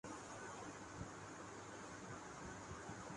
صوبوں کو صنعتی زونز کے قیام کیلئے ہدایات جاری کردیں احسن اقبال